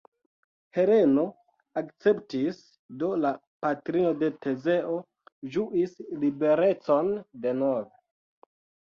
Heleno akceptis, do la patrino de Tezeo ĝuis liberecon denove.